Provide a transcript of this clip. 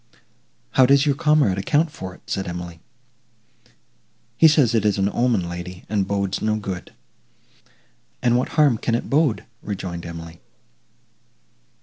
"How does your comrade account for it?" said Emily. "He says it is an omen, lady, and bodes no good." "And what harm can it bode?" rejoined Emily.